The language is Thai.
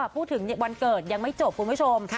พูดถึงวันเกิดยังไม่จบคุณผู้ชม